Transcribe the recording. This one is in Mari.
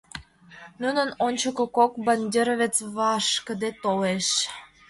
Нунын ончыко кок Бандеровец вашкыде толеш.